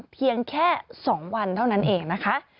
เพียงแค่๒วันเท่านั้นเองนะคะ